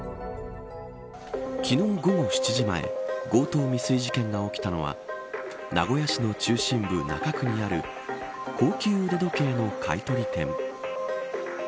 昨日、午後７時前強盗未遂事件が起きたのは名古屋市の中心部中区にある高級腕時計の買取店。